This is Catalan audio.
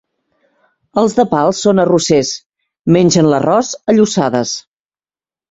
Els de Pals són arrossers, mengen l'arròs a llossades.